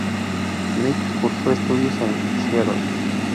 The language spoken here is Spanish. Nick cursó estudios en "St.